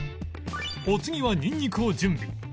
お次はニンニクを準備